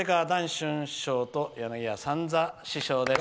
春師匠と柳家三三師匠です。